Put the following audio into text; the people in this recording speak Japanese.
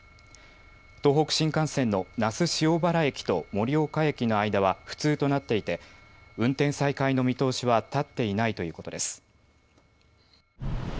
東北新幹線の那須塩原駅と盛岡駅の間は不通となっていて運転再開の見通しは立っていないということです。